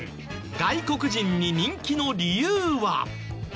外国人に人気の理由は？